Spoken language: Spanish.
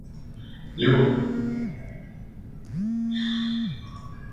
El discurrir narrativo acompaña en todo momento al protagonista, Rafa, un joven informático.